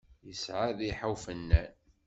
Yesεa rriḥa ufennan.